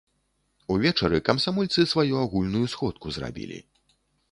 Увечары камсамольцы сваю агульную сходку зрабілі.